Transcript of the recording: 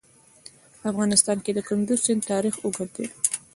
په افغانستان کې د کندز سیند تاریخ اوږد دی.